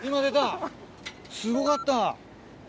すごかった。